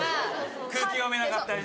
空気読めなかったりね。